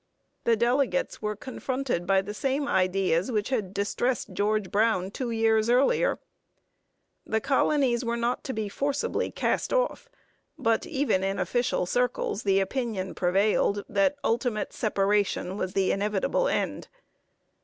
The delegates were confronted by the same ideas which had distressed George Brown two years earlier. The colonies were not to be forcibly cast off, but even in official circles the opinion prevailed that ultimate separation was the inevitable end.